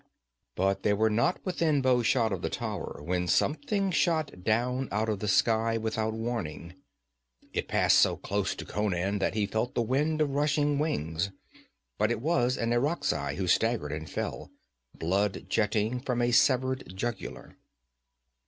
But they were not within bow shot of the tower when something shot down out of the sky without warning. It passed so close to Conan that he felt the wind of rushing wings, but it was an Irakzai who staggered and fell, blood jetting from a severed jugular.